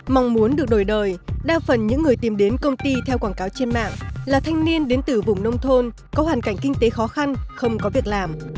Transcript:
mong muốn được đổi đời đa phần những người tìm đến công ty theo quảng cáo trên mạng là thanh niên đến từ vùng nông thôn có hoàn cảnh kinh tế khó khăn không có việc làm